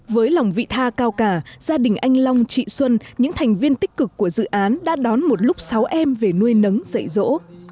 với lòng vị tha cao cả gia đình anh long chị xuân những thành viên tích cực của dự án đã đón một lúc sáu em về nuôi nấng dạy rỗ